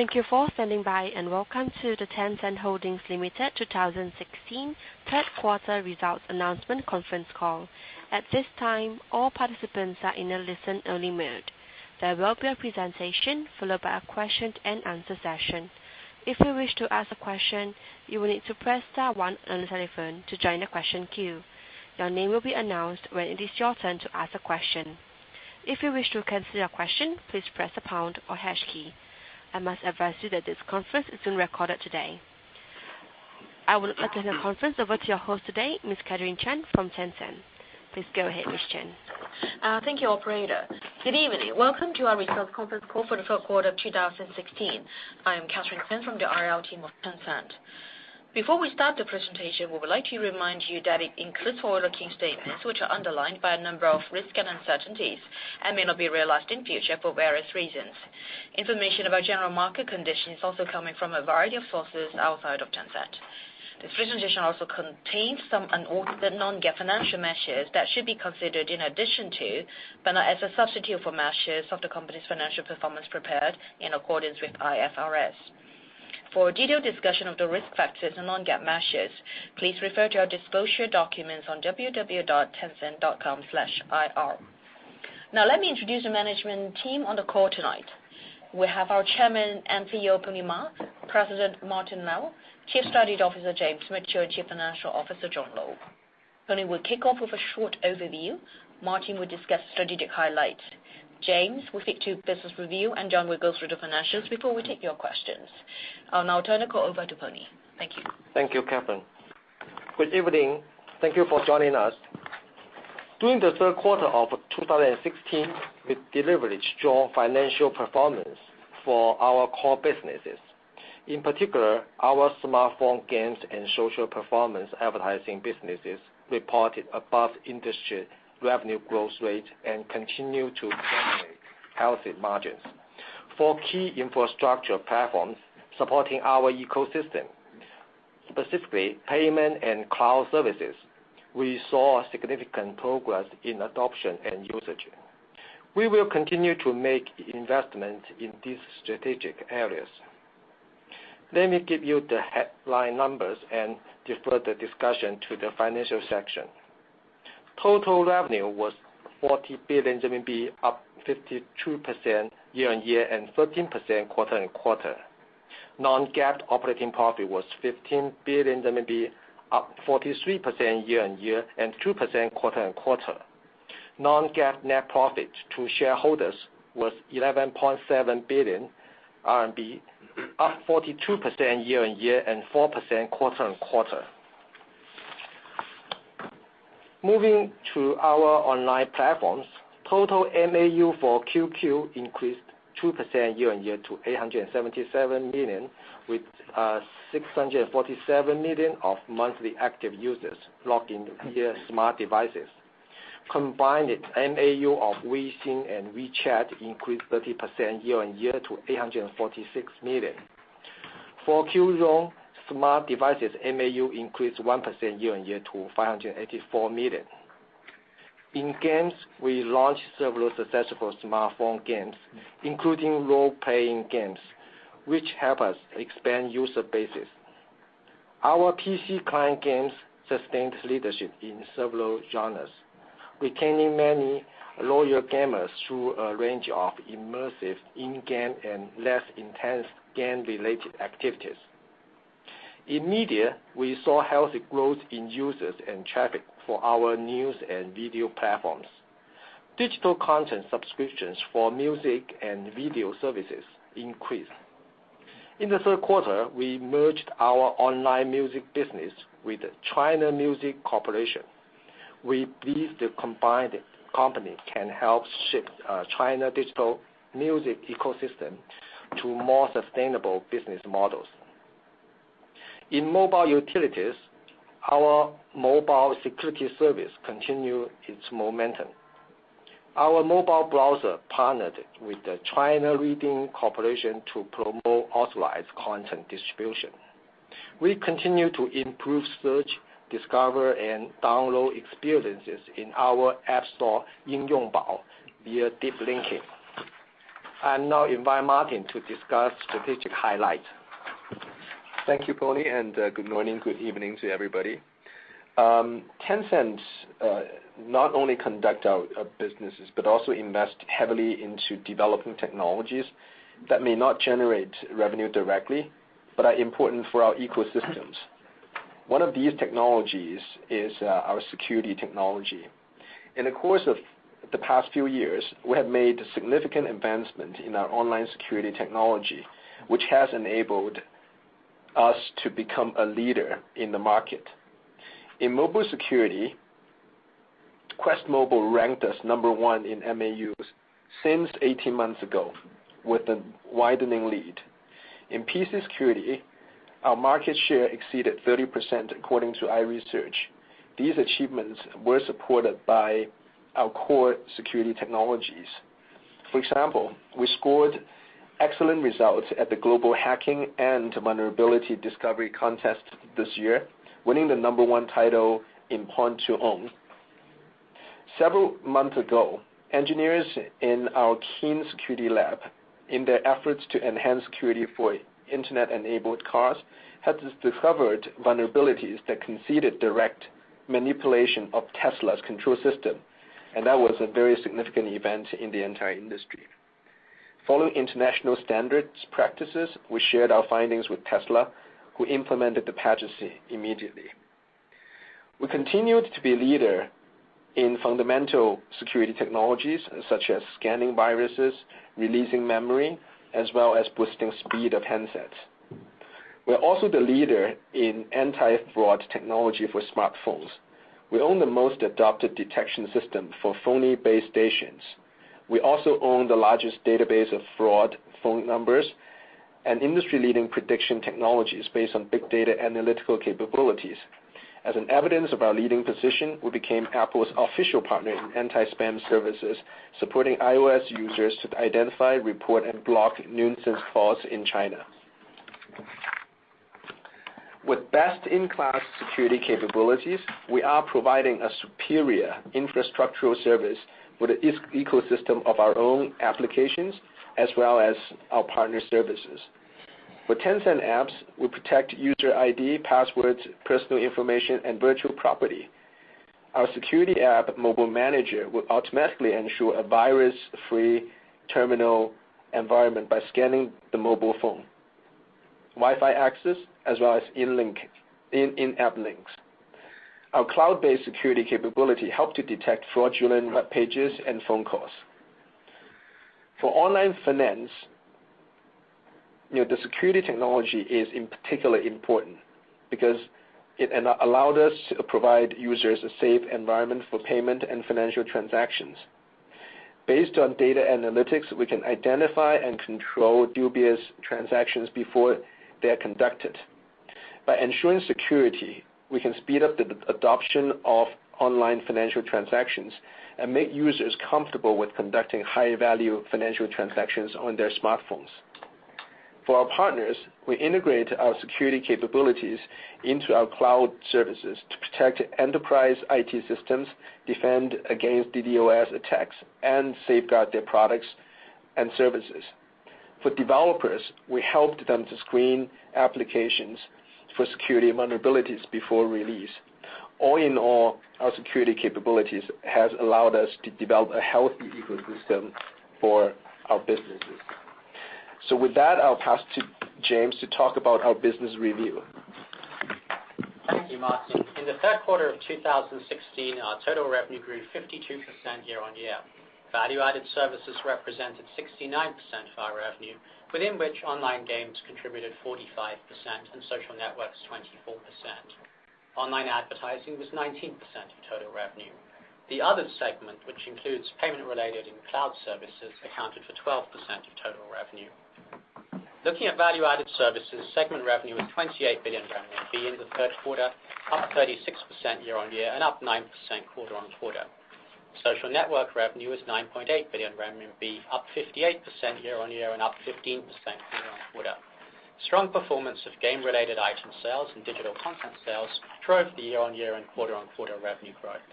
Thank you for standing by, welcome to the Tencent Holdings Limited 2016 third quarter results announcement conference call. At this time, all participants are in a listen-only mode. There will be a presentation followed by a question and answer session. If you wish to ask a question, you will need to press star one on your telephone to join the question queue. Your name will be announced when it is your turn to ask a question. If you wish to cancel your question, please press the pound or hash key. I must advise you that this conference is being recorded today. I will now turn the conference over to your host today, Ms. Catherine Chan from Tencent. Please go ahead, Ms. Chan. Thank you, operator. Good evening. Welcome to our results conference call for the third quarter of 2016. I am Catherine Chan from the IR team of Tencent. Before we start the presentation, we would like to remind you that it includes forward-looking statements, which are underlined by a number of risks and uncertainties and may not be realized in future for various reasons. Information about general market conditions is also coming from a variety of sources outside of Tencent. This presentation also contains some Non-GAAP financial measures that should be considered in addition to, but not as a substitute for, measures of the company's financial performance prepared in accordance with IFRS. For a detailed discussion of the risk factors and Non-GAAP measures, please refer to our disclosure documents on www.tencent.com/ir. Let me introduce the management team on the call tonight. We have our Chairman and CEO, Pony Ma; President, Martin Lau; Chief Strategy Officer, James Mitchell; and Chief Financial Officer, John Lo. Pony will kick off with a short overview, Martin will discuss strategic highlights, James will stick to business review, John will go through the financials before we take your questions. I'll now turn the call over to Pony. Thank you. Thank you, Catherine. Good evening. Thank you for joining us. During the third quarter of 2016, we delivered strong financial performance for our core businesses. In particular, our smartphone games and social performance advertising businesses reported above-industry revenue growth rate and continue to generate healthy margins. For key infrastructure platforms supporting our ecosystem, specifically payment and cloud services, we saw significant progress in adoption and usage. We will continue to make investments in these strategic areas. Let me give you the headline numbers and defer the discussion to the financial section. Total revenue was 40 billion RMB, up 52% year-on-year and 13% quarter-on-quarter. Non-GAAP operating profit was 15 billion RMB, up 43% year-on-year and 2% quarter-on-quarter. Non-GAAP net profit to shareholders was 11.7 billion RMB, up 42% year-on-year and 4% quarter-on-quarter. Moving to our online platforms, total MAU for QQ increased 2% year-on-year to 877 million, with 647 million of monthly active users logging via smart devices. Combined MAU of Weixin and WeChat increased 30% year-on-year to 846 million. For Qzone smart devices, MAU increased 1% year-on-year to 584 million. In games, we launched several successful smartphone games, including role-playing games, which help us expand user bases. Our PC client games sustained leadership in several genres, retaining many loyal gamers through a range of immersive in-game and less intense game-related activities. In media, we saw healthy growth in users and traffic for our news and video platforms. Digital content subscriptions for music and video services increased. In the third quarter, we merged our online music business with the China Music Corporation. We believe the combined company can help shift China digital music ecosystem to more sustainable business models. In mobile utilities, our mobile security service continue its momentum. Our mobile browser partnered with the China Literature to promote authorized content distribution. We continue to improve search, discover, and download experiences in our app store, YingYongBao, via deep linking. I now invite Martin to discuss strategic highlights. Thank you, Pony, and good morning, good evening to everybody. Tencent not only conduct our businesses, but also invest heavily into developing technologies that may not generate revenue directly but are important for our ecosystems. One of these technologies is our security technology. In the course of the past few years, we have made significant advancement in our online security technology, which has enabled us to become a leader in the market. In mobile security, QuestMobile ranked us number 1 in MAUs 18 months ago, with a widening lead. In PC security, our market share exceeded 30%, according to iResearch. These achievements were supported by our core security technologies. For example, we scored excellent results at the Global Hacking and Vulnerability Discovery Contest this year, winning the number 1 title in Pwn2Own. Several months ago, engineers in our Keen Security Lab, in their efforts to enhance security for internet-enabled cars, had discovered vulnerabilities that conceded direct manipulation of Tesla's control system, and that was a very significant event in the entire industry. Following international standards practices, we shared our findings with Tesla, who implemented the patches immediately. We continued to be a leader in fundamental security technologies, such as scanning viruses, releasing memory, as well as boosting speed of handsets. We're also the leader in anti-fraud technology for smartphones. We own the most adopted detection system for phony base stations. We also own the largest database of fraud phone numbers, and industry-leading prediction technologies based on big data analytical capabilities. As an evidence of our leading position, we became Apple's official partner in anti-spam services, supporting iOS users to identify, report, and block nuisance calls in China. With best-in-class security capabilities, we are providing a superior infrastructural service with the ecosystem of our own applications, as well as our partner services. For Tencent apps, we protect user ID, passwords, personal information, and virtual property. Our security app, Mobile Manager, will automatically ensure a virus-free terminal environment by scanning the mobile phone, Wi-Fi access, as well as in-app links. Our cloud-based security capability help to detect fraudulent web pages and phone calls. For online finance, the security technology is particularly important because it allowed us to provide users a safe environment for payment and financial transactions. Based on data analytics, we can identify and control dubious transactions before they are conducted. By ensuring security, we can speed up the adoption of online financial transactions and make users comfortable with conducting high-value financial transactions on their smartphones. For our partners, we integrate our security capabilities into our cloud services to protect enterprise IT systems, defend against DDoS attacks, and safeguard their products and services. For developers, we helped them to screen applications for security vulnerabilities before release. All in all, our security capabilities has allowed us to develop a healthy ecosystem for our businesses. With that, I'll pass to James to talk about our business review. Thank you, Martin. In the third quarter of 2016, our total revenue grew 52% year-on-year. Value-added services represented 69% of our revenue, within which online games contributed 45% and social networks, 24%. Online advertising was 19% of total revenue. The other segment, which includes payment-related and cloud services, accounted for 12% of total revenue. Looking at value-added services, segment revenue was RMB 28 billion in the third quarter, up 36% year-on-year and up 9% quarter-on-quarter. Social network revenue was 9.8 billion renminbi, up 58% year-on-year and up 15% quarter-on-quarter. Strong performance of game-related item sales and digital content sales drove the year-on-year and quarter-on-quarter revenue growth.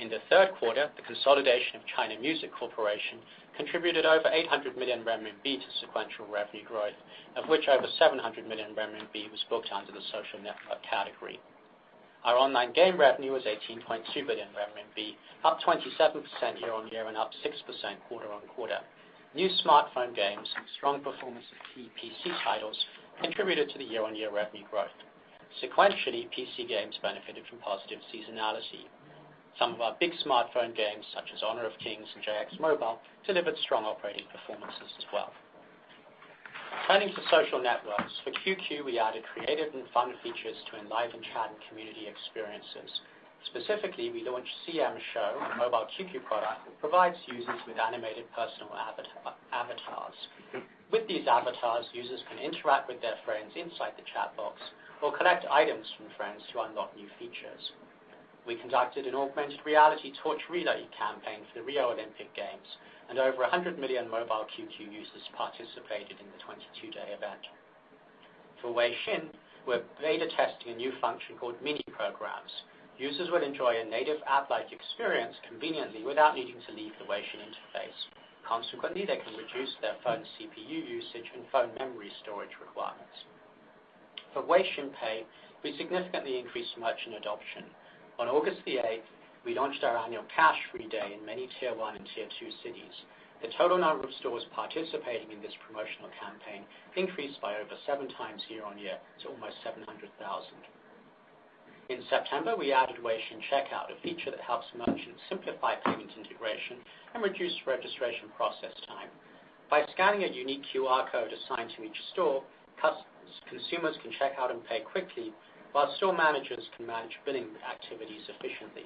In the third quarter, the consolidation of China Music Corporation contributed over 800 million RMB to sequential revenue growth, of which over 700 million RMB was booked under the social network category. Our online game revenue was 18.2 billion RMB, up 27% year-on-year and up 6% quarter-on-quarter. New smartphone games and strong performance of key PC titles contributed to the year-on-year revenue growth. Sequentially, PC games benefited from positive seasonality. Some of our big smartphone games, such as Honor of Kings and JX Mobile, delivered strong operating performances as well. Turning to social networks. For QQ, we added creative and fun features to enliven chat and community experiences. Specifically, we launched CM Show, a mobile QQ product that provides users with animated personal avatars. With these avatars, users can interact with their friends inside the chat box or collect items from friends to unlock new features. We conducted an augmented reality torch relay campaign for the Rio Olympic Games, and over 100 million mobile QQ users participated in the 22-day event. For Weixin, we're beta testing a new function called Mini Programs. Users will enjoy a native app-like experience conveniently without needing to leave the Weixin interface. Consequently, they can reduce their phone CPU usage and phone memory storage requirements. For Weixin Pay, we significantly increased merchant adoption. On August the 8th, we launched our annual Cash-Free Day in many Tier 1 and Tier 2 cities. The total number of stores participating in this promotional campaign increased by over seven times year-on-year to almost 700,000. In September, we added Weixin Checkout, a feature that helps merchants simplify payments integration and reduce registration process time. By scanning a unique QR code assigned to each store, consumers can check out and pay quickly, while store managers can manage billing activities efficiently.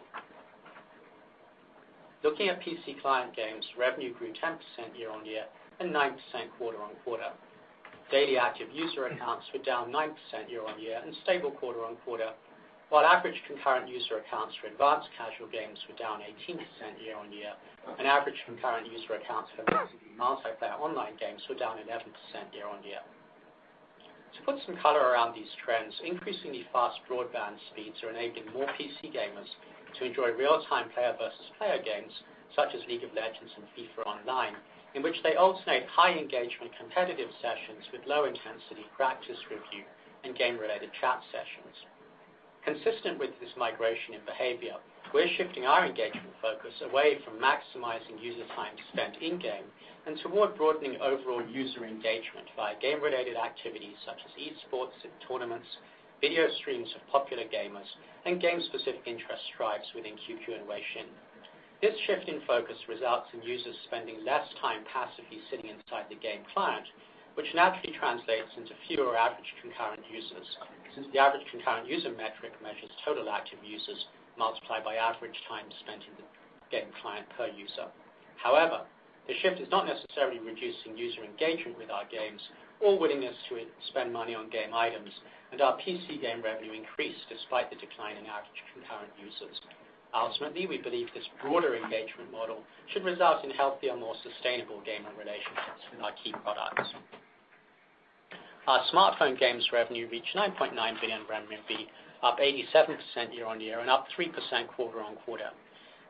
Looking at PC client games, revenue grew 10% year-on-year and 9% quarter-on-quarter. Daily active user accounts were down 9% year-on-year and stable quarter-on-quarter, while average concurrent user accounts for advanced casual games were down 18% year-on-year, and average concurrent user accounts for massively multiplayer online games were down 11% year-on-year. To put some color around these trends, increasingly fast broadband speeds are enabling more PC gamers to enjoy real-time player versus player games such as "League of Legends" and "FIFA Online," in which they alternate high engagement competitive sessions with low intensity practice review and game related chat sessions. Consistent with this migration in behavior, we're shifting our engagement focus away from maximizing user time spent in game and toward broadening overall user engagement via game related activities such as esports and tournaments, video streams of popular gamers, and game specific interest stripes within QQ and Weixin. This shift in focus results in users spending less time passively sitting inside the game client, which naturally translates into fewer average concurrent users, since the average concurrent user metric measures total active users multiplied by average time spent in the game client per user. However, the shift is not necessarily reducing user engagement with our games or willingness to spend money on game items, and our PC game revenue increased despite the decline in average concurrent users. Ultimately, we believe this broader engagement model should result in healthier, more sustainable gaming relationships with our key products. Our smartphone games revenue reached 9.9 billion renminbi, up 87% year-on-year and up 3% quarter-on-quarter.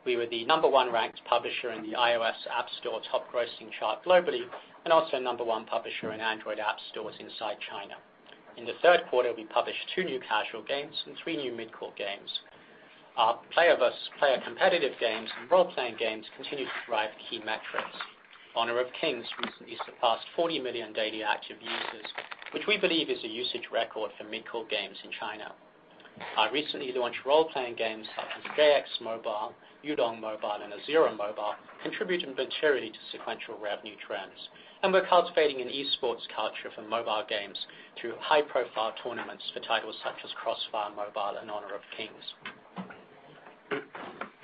We were the number one ranked publisher in the iOS App Store top grossing chart globally, and also number one publisher in Android app stores inside China. In the third quarter, we published two new casual games and three new mid-core games. Our player versus player competitive games and role-playing games continue to drive key metrics. "Honor of Kings" recently surpassed 40 million daily active users, which we believe is a usage record for mid-core games in China. Our recently launched role-playing games such as "JX Mobile," "YuLong Mobile," and "Zhu Xian Mobile" contributed materially to sequential revenue trends. We're cultivating an esports culture for mobile games through high profile tournaments for titles such as "CrossFire Mobile" and "Honor of Kings."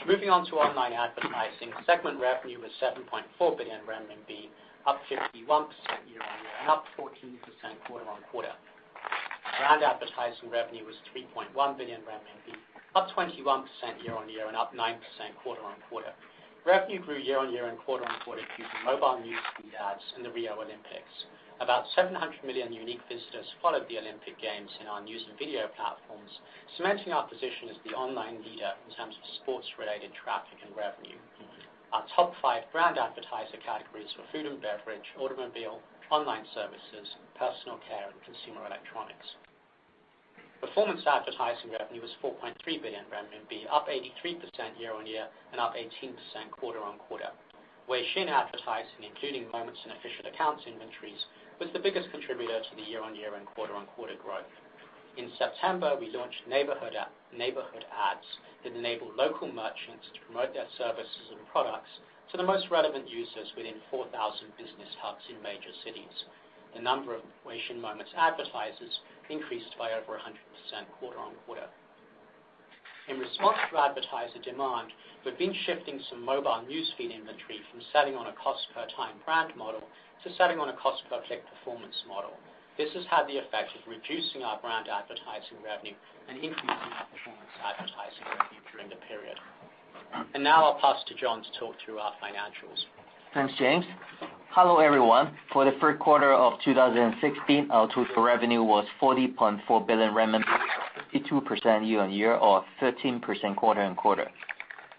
Moving on to online advertising. Segment revenue was 7.4 billion renminbi, up 51% year-on-year and up 14% quarter-on-quarter. Brand advertising revenue was 3.1 billion RMB, up 21% year-on-year and up 9% quarter-on-quarter. Revenue grew year-on-year and quarter-on-quarter due to mobile news feed ads in the Rio Olympic Games. About 700 million unique visitors followed the Rio Olympic Games in our news and video platforms, cementing our position as the online leader in terms of sports related traffic and revenue. Our top 5 brand advertiser categories were food and beverage, automobile, online services, personal care, and consumer electronics. Performance advertising revenue was 4.3 billion RMB, up 83% year-on-year and up 18% quarter-on-quarter. Weixin advertising, including Moments and official accounts inventories, was the biggest contributor to the year-on-year and quarter-on-quarter growth. In September, we launched Nearby Ads that enable local merchants to promote their services and products to the most relevant users within 4,000 business hubs in major cities. The number of Weixin Moments advertisers increased by over 100% quarter-on-quarter. In response to advertiser demand, we've been shifting some mobile news feed inventory from selling on a cost per time brand model to selling on a cost per click performance model. This has had the effect of reducing our brand advertising revenue and increasing our performance advertising revenue during the period. Now I'll pass to John to talk through our financials. Thanks, James. Hello, everyone. For the third quarter of 2016, our total revenue was 40.4 billion renminbi, 52% year-on-year or 13% quarter-on-quarter.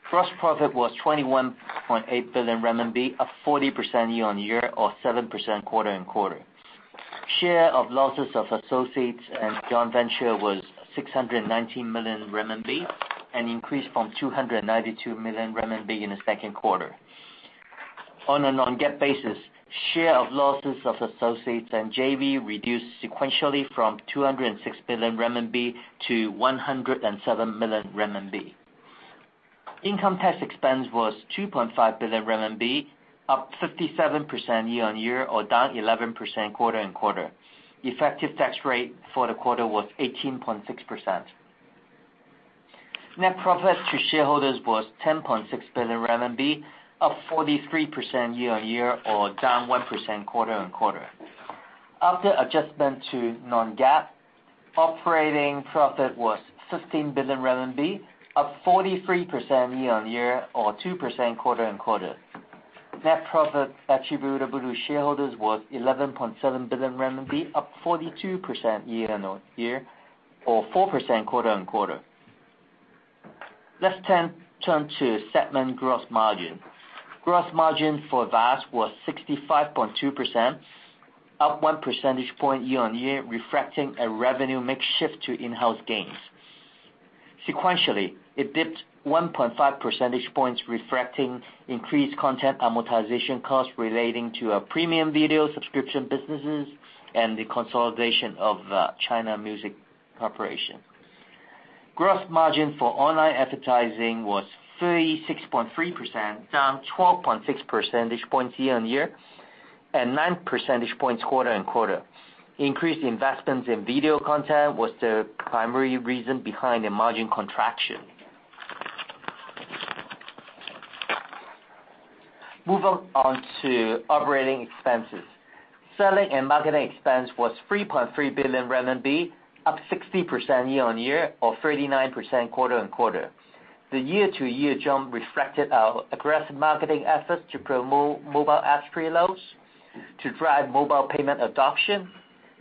Gross profit was 21.8 billion RMB, up 40% year-on-year or 7% quarter-on-quarter. Share of losses of associates and joint venture was 619 million RMB, an increase from 292 million RMB in the second quarter. On a Non-GAAP basis, share of losses of associates and JV reduced sequentially from 206 million RMB to 107 million RMB. Income tax expense was 2.5 billion RMB, up 57% year-on-year or down 11% quarter-on-quarter. Effective tax rate for the quarter was 18.6%. Net profit to shareholders was 10.6 billion RMB, up 43% year-on-year or down 1% quarter-on-quarter. After adjustment to Non-GAAP, operating profit was 15 billion RMB, up 43% year-on-year or 2% quarter-on-quarter. Net profit attributable to shareholders was 11.7 billion renminbi, up 42% year-on-year or 4% quarter-on-quarter. Let's turn to segment gross margin. Gross margin for VAS was 65.2%, up one percentage point year-on-year, reflecting a revenue mix shift to in-house gains. Sequentially, it dipped 1.5 percentage points, reflecting increased content amortization costs relating to our premium video subscription businesses and the consolidation of China Music Corporation. Gross margin for online advertising was 36.3%, down 12.6 percentage points year-on-year, and nine percentage points quarter-on-quarter. Increased investments in video content was the primary reason behind the margin contraction. Moving on to operating expenses. Selling and marketing expense was 3.3 billion RMB, up 60% year-on-year, or 39% quarter-on-quarter. The year-to-year jump reflected our aggressive marketing efforts to promote mobile apps preloads, to drive mobile payment adoption,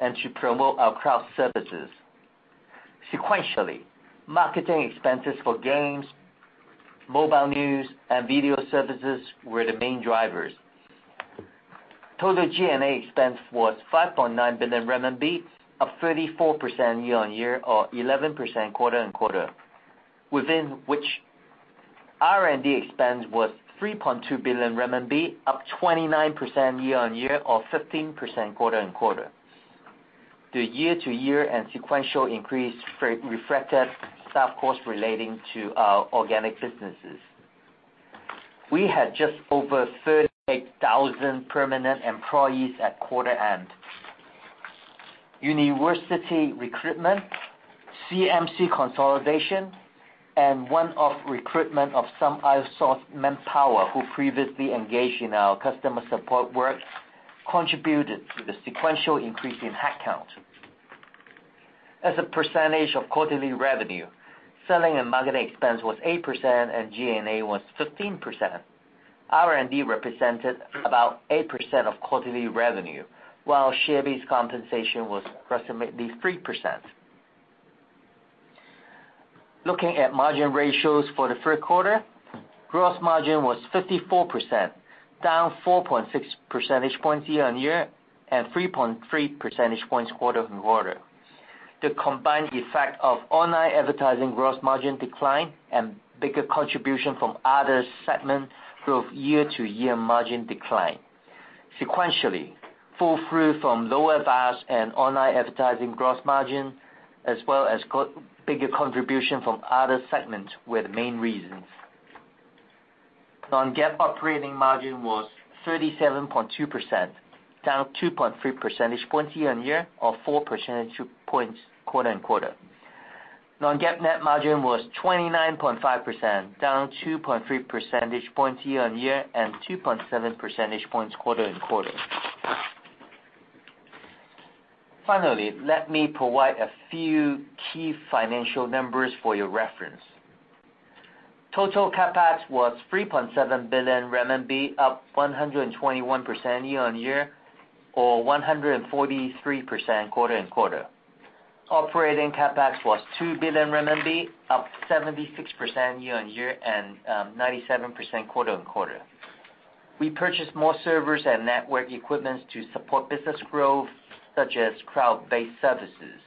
and to promote our cloud services. Sequentially, marketing expenses for games, mobile news, and video services were the main drivers. Total G&A expense was 5.9 billion RMB, up 34% year-over-year, or 11% quarter-over-quarter, within which R&D expense was 3.2 billion RMB, up 29% year-over-year, or 15% quarter-over-quarter. The year-over-year and sequential increase reflected staff costs relating to our organic businesses. We had just over 38,000 permanent employees at quarter end. University recruitment, CMC consolidation, and one-off recruitment of some outsourced manpower who previously engaged in our customer support work contributed to the sequential increase in headcount. As a percentage of quarterly revenue, selling and marketing expense was 8% and G&A was 15%. R&D represented about 8% of quarterly revenue, while share-based compensation was approximately 3%. Looking at margin ratios for the third quarter, gross margin was 54%, down 4.6 percentage points year-over-year, and 3.3 percentage points quarter-over-quarter. The combined effect of online advertising gross margin decline and bigger contribution from other segments drove year-over-year margin decline. Sequentially, pull through from lower VAS and online advertising gross margin, as well as bigger contribution from other segments were the main reasons. Non-GAAP operating margin was 37.2%, down 2.3 percentage points year-over-year, or 4 percentage points quarter-over-quarter. Non-GAAP net margin was 29.5%, down 2.3 percentage points year-over-year and 2.7 percentage points quarter-over-quarter. Finally, let me provide a few key financial numbers for your reference. Total CapEx was 3.7 billion RMB, up 121% year-over-year, or 143% quarter-over-quarter. Operating CapEx was 2 billion renminbi, up 76% year-over-year and 97% quarter-over-quarter. We purchased more servers and network equipment to support business growth, such as cloud-based services.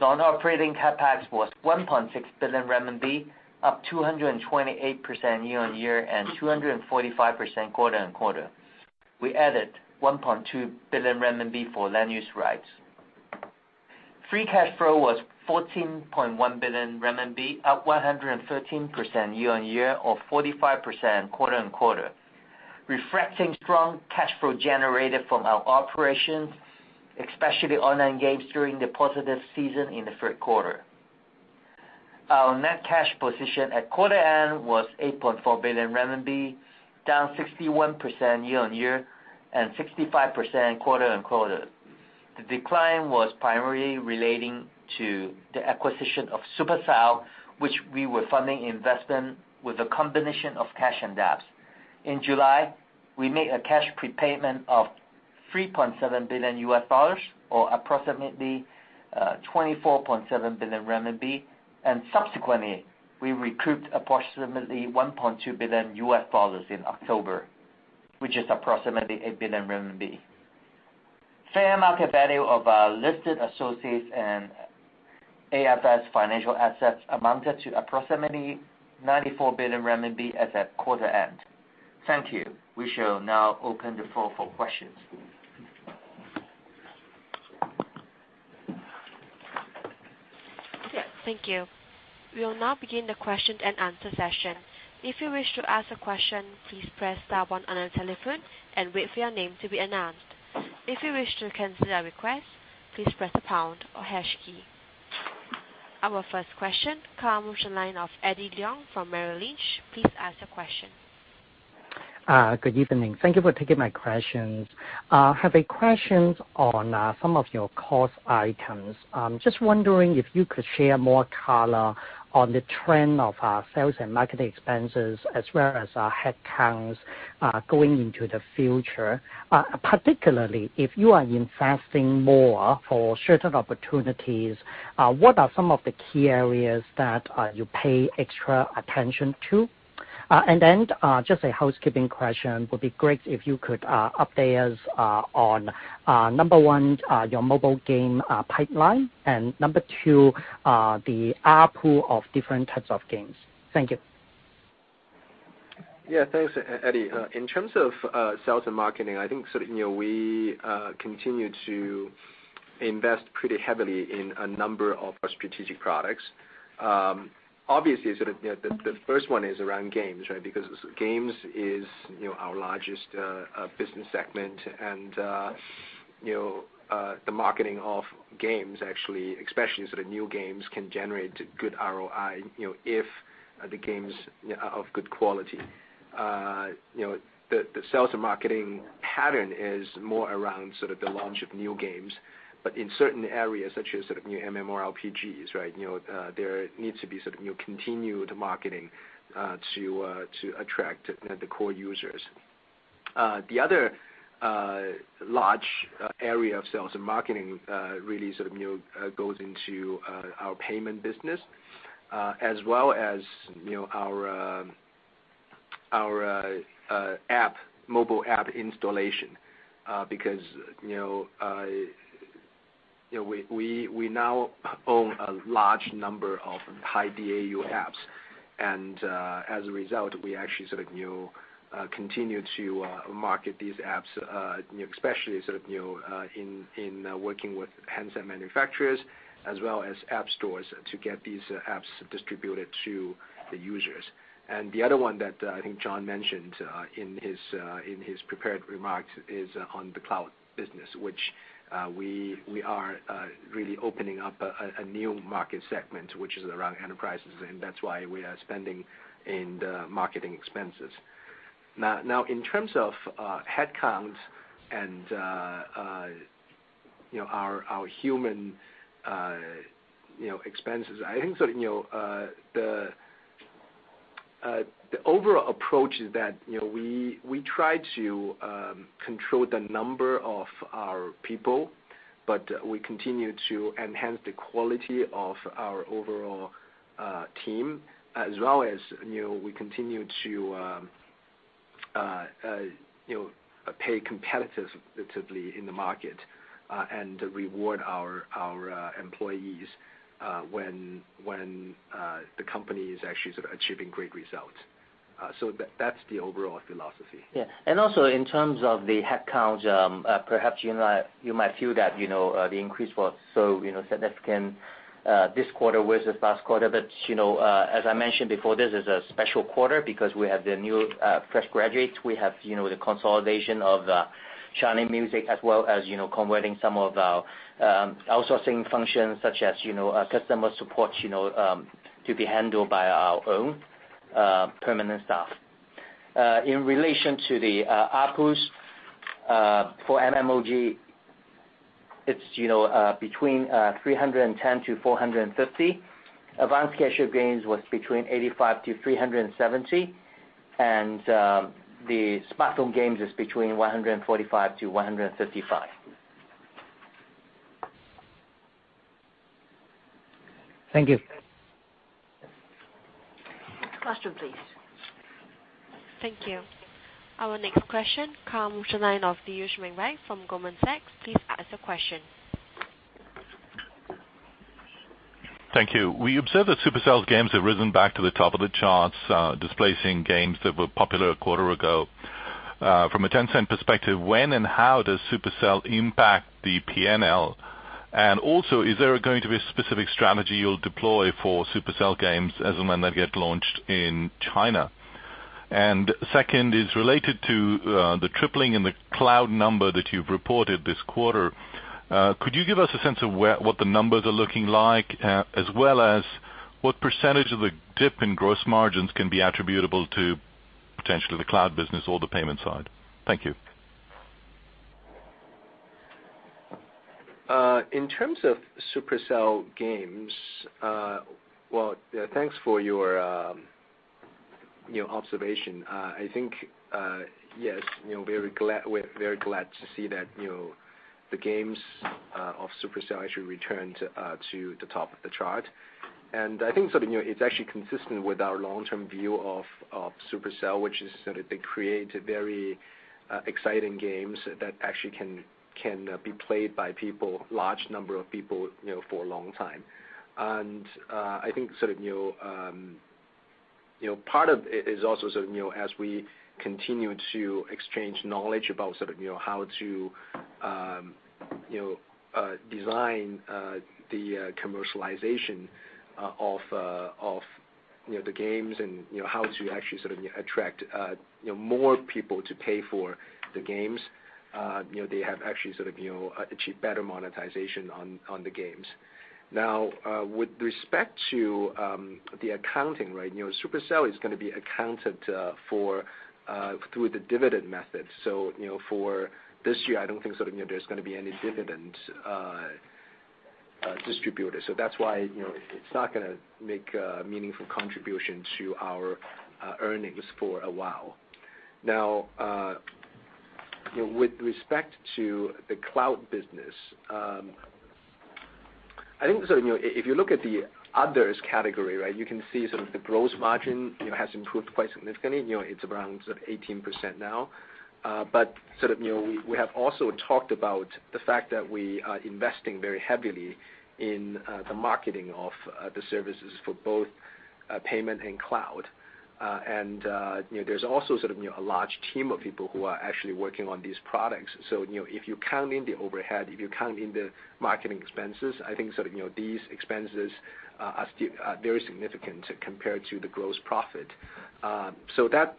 Non-operating CapEx was 1.6 billion renminbi, up 228% year-over-year and 245% quarter-over-quarter. We added 1.2 billion renminbi for land use rights. Free cash flow was 14.1 billion renminbi, up 113% year-over-year or 45% quarter-over-quarter, reflecting strong cash flow generated from our operations, especially online games during the positive season in the third quarter. Our net cash position at quarter end was 8.4 billion renminbi, down 61% year-over-year and 65% quarter-over-quarter. The decline was primarily relating to the acquisition of Supercell, which we were funding investment with a combination of cash and debts. In July, we made a cash prepayment of $3.7 billion, or approximately 24.7 billion RMB, and subsequently, we recouped approximately $1.2 billion in October, which is approximately 8 billion RMB. Fair market value of our listed associates and AFS financial assets amounted to approximately 94 billion RMB as at quarter end. Thank you. We shall now open the floor for questions. Thank you. We will now begin the question-and-answer session. If you wish to ask a question, please press star one on your telephone and wait for your name to be announced. If you wish to cancel a request, please press the pound or hash key. Our first question comes from the line of Eddie Leung from Merrill Lynch. Please ask your question. Good evening. Thank you for taking my questions. I have a question on some of your cost items. Just wondering if you could share more color on the trend of sales and marketing expenses as well as headcounts going into the future. Particularly, if you are investing more for certain opportunities, what are some of the key areas that you pay extra attention to? Just a housekeeping question, would be great if you could update us on, number 1, your mobile game pipeline, and number 2, the ARPU of different types of games. Thank you. Yeah. Thanks, Eddie. In terms of sales and marketing, I think we continue to invest pretty heavily in a number of our strategic products. Obviously, the first one is around games. Games is our largest business segment and the marketing of games actually, especially sort of new games, can generate good ROI if the game is of good quality. The sales and marketing pattern is more around the launch of new games. In certain areas, such as new MMORPGs, there needs to be continued marketing to attract the core users. The other large area of sales and marketing really goes into our payment business, as well as our mobile app installation, because we now own a large number of high DAU apps, and as a result, we actually continue to market these apps, especially in working with handset manufacturers as well as app stores to get these apps distributed to the users. The other one that I think John mentioned in his prepared remarks is on the cloud business, which we are really opening up a new market segment, which is around enterprises, and that's why we are spending in the marketing expenses. Now, in terms of headcounts and our human expenses, I think the overall approach is that we try to control the number of our people, but we continue to enhance the quality of our overall team, as well as we continue to pay competitively in the market and reward our employees when the company is actually achieving great results. That's the overall philosophy. Yeah. Also in terms of the headcount, perhaps you might feel that the increase was so significant this quarter versus last quarter, but as I mentioned before, this is a special quarter because we have the new fresh graduates. We have the consolidation of the CMC as well as converting some of our outsourcing functions, such as customer support to be handled by our own permanent staff. In relation to the ARPUs, for MMOG, it is between 310-450. Advanced Casual Games was between 85-370, and the Smartphone Games is between 145-155. Thank you. Next question, please. Thank you. Our next question comes from the line of Yoshimichi from Goldman Sachs. Please ask the question. Thank you. We observe that Supercell's games have risen back to the top of the charts, displacing games that were popular a quarter ago. From a Tencent perspective, when and how does Supercell impact the P&L? Also, is there going to be a specific strategy you'll deploy for Supercell games as and when they get launched in China? Second is related to the tripling in the cloud number that you've reported this quarter. Could you give us a sense of what the numbers are looking like, as well as what % of the dip in gross margins can be attributable to potentially the cloud business or the payment side? Thank you. In terms of Supercell games, well, thanks for your observation. I think, yes, we're very glad to see that the games of Supercell actually returned to the top of the chart. I think it's actually consistent with our long-term view of Supercell, which is that they create very exciting games that actually can be played by people, large number of people for a long time. I think part of it is also as we continue to exchange knowledge about how to design the commercialization of the games and how to actually attract more people to pay for the games, they have actually achieved better monetization on the games. Now, with respect to the accounting, Supercell is going to be accounted for through the dividend method. For this year, I don't think there's going to be any dividend distributed. That's why it's not gonna make a meaningful contribution to our earnings for a while. Now, with respect to the cloud business- I think if you look at the others category, you can see the gross margin has improved quite significantly. It's around 18% now. We have also talked about the fact that we are investing very heavily in the marketing of the services for both payment and cloud. There's also a large team of people who are actually working on these products. If you count in the overhead, if you count in the marketing expenses, I think these expenses are very significant compared to the gross profit. That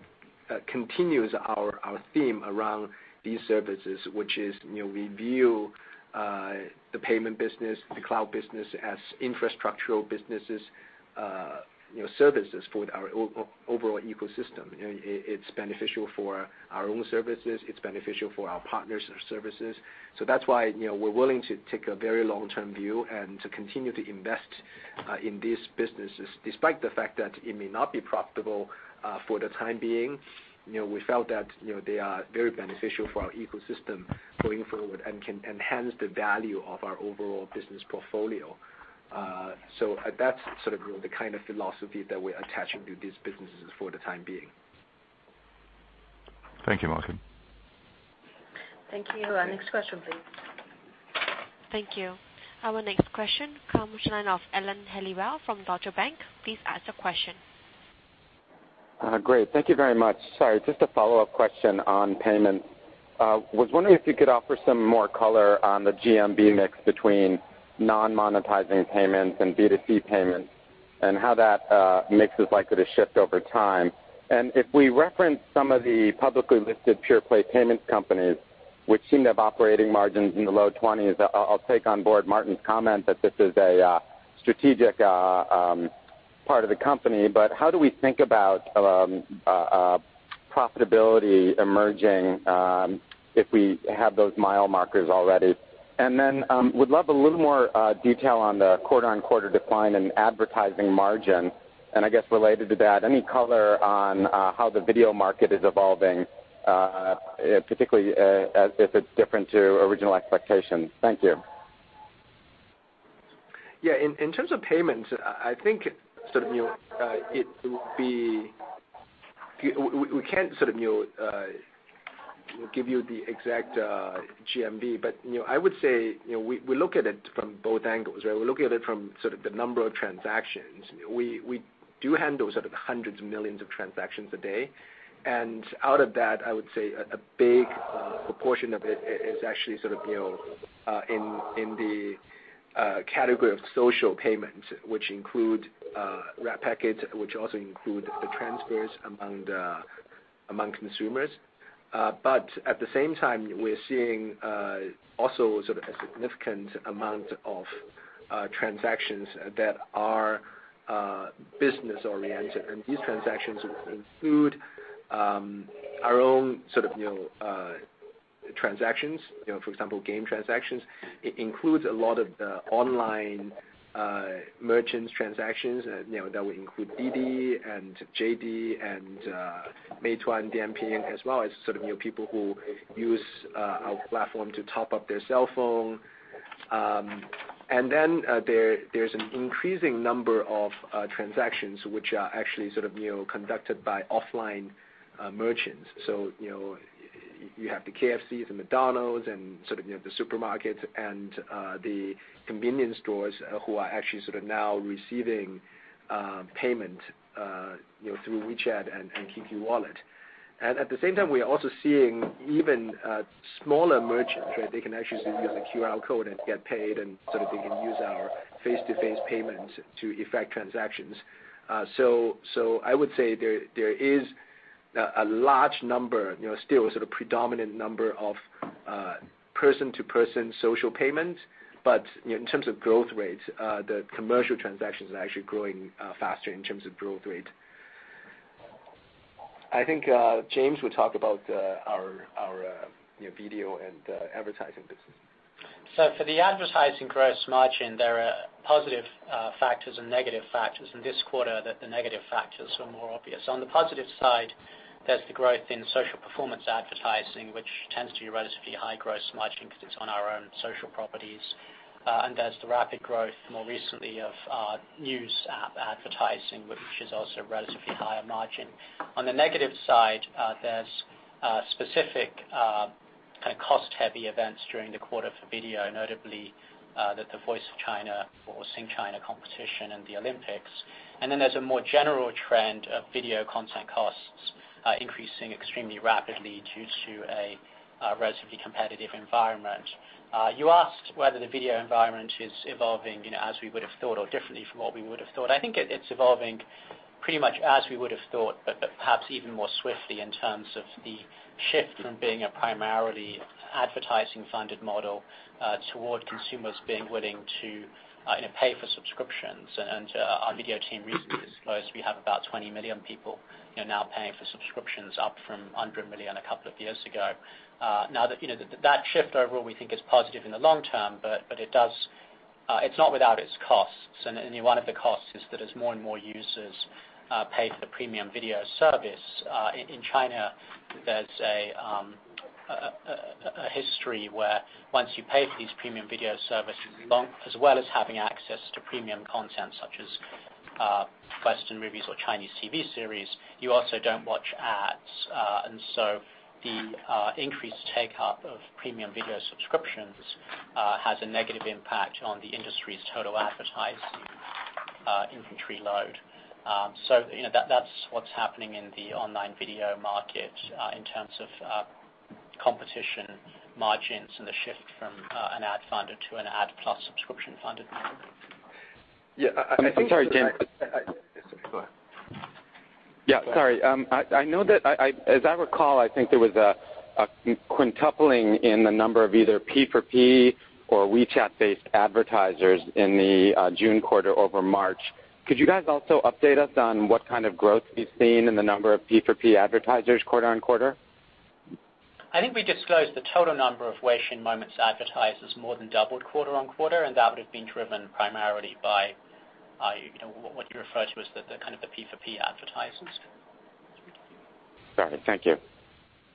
continues our theme around these services, which is we view the payment business, the cloud business as infrastructural businesses, services for our overall ecosystem. It's beneficial for our own services. It's beneficial for our partners and our services. That's why we're willing to take a very long-term view and to continue to invest in these businesses, despite the fact that it may not be profitable for the time being. We felt that they are very beneficial for our ecosystem going forward and can enhance the value of our overall business portfolio. That's sort of the kind of philosophy that we're attaching to these businesses for the time being. Thank you, Martin. Thank you. Our next question, please. Thank you. Our next question comes line of Alan Hellawell from Deutsche Bank. Please ask your question. Great. Thank you very much. Sorry, just a follow-up question on payment. Was wondering if you could offer some more color on the GMV mix between non-monetizing payments and B2C payments, and how that mix is likely to shift over time. If we reference some of the publicly listed pure play payments companies, which seem to have operating margins in the low 20s, I'll take on board Martin's comment that this is a strategic part of the company, but how do we think about profitability emerging if we have those mile markers already? Then would love a little more detail on the quarter-on-quarter decline in advertising margin. I guess related to that, any color on how the video market is evolving, particularly if it's different to original expectations. Thank you. In terms of payments, I think we can't give you the exact GMV, but I would say we look at it from both angles. We look at it from sort of the number of transactions. We do handle hundreds of millions of transactions a day. Out of that, I would say a big proportion of it is actually in the category of social payments, which include Red Packet, which also include the transfers among consumers. At the same time, we're seeing also a significant amount of transactions that are business-oriented, and these transactions include our own transactions, for example, game transactions. It includes a lot of the online merchants transactions that would include DiDi and JD, and Meituan Dianping as well as people who use our platform to top up their cell phone. There's an increasing number of transactions which are actually conducted by offline merchants. So you have the KFC, the McDonald's, and the supermarkets, and the convenience stores who are actually now receiving payment through WeChat and QQ Wallet. At the same time, we are also seeing even smaller merchants where they can actually use a QR code and get paid, and so that they can use our face-to-face payments to effect transactions. I would say there is a large number still, a predominant number of person-to-person social payments. But in terms of growth rates, the commercial transactions are actually growing faster in terms of growth rate. I think James will talk about our video and advertising business. For the advertising gross margin, there are positive factors and negative factors. In this quarter, the negative factors are more obvious. On the positive side, there's the growth in social performance advertising, which tends to be relatively high gross margin because it's on our own social properties. And there's the rapid growth more recently of news app advertising, which is also relatively higher margin. On the negative side, there's specific kind of cost-heavy events during the quarter for video, notably The Voice of China or Sing! China competition and the Olympics. And then there's a more general trend of video content costs increasing extremely rapidly due to a relatively competitive environment. You asked whether the video environment is evolving as we would have thought or differently from what we would have thought? It's evolving pretty much as we would have thought, but perhaps even more swiftly in terms of the shift from being a primarily advertising-funded model toward consumers being willing to pay for subscriptions. And our video team recently disclosed we have about 20 million people now paying for subscriptions, up from under a million a couple of years ago. That shift overall, we think is positive in the long term, but it's not without its costs. And one of the costs is that as more and more users pay for the premium video service in China, there's a history where once you pay for these premium video services, as well as having access to premium content such as Western movies or Chinese TV series, you also don't watch ads. The increased take-up of premium video subscriptions has a negative impact on the industry's total advertising inventory load. That's what's happening in the online video market in terms of competition margins and the shift from an ad funded to an ad plus subscription funded model. Yeah. I'm sorry, James. Go ahead. Yeah, sorry. As I recall, I think there was a quintupling in the number of either P4P or WeChat-based advertisers in the June quarter over March. Could you guys also update us on what kind of growth you've seen in the number of P4P advertisers quarter-on-quarter? I think we disclosed the total number of Weixin Moments advertisers more than doubled quarter-on-quarter. That would've been driven primarily by what you refer to as the P4P advertisers. Got it. Thank you.